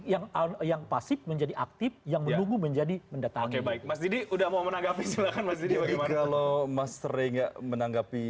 yang pasti menjadi aktif yang menunggu menjadi mendatangi baik baik mas didi udah mau menanggapi